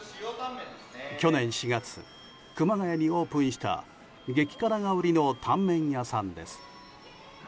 去年４月、熊谷にオープンした激辛が売りのタンメン屋さんです。